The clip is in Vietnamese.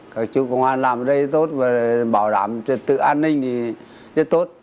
các chú công an làm ở đây tốt và bảo đảm trật tự an ninh thì rất tốt